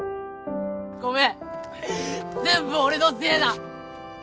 ごめん全部俺のせいだ。